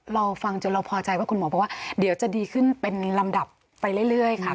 รอฟังจนเราพอใจว่าคุณหมอบอกว่าเดี๋ยวจะดีขึ้นเป็นลำดับไปเรื่อยค่ะ